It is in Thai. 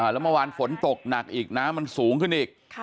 แล้วเมื่อวานฝนตกหนักอีกน้ำมันสูงขึ้นอีก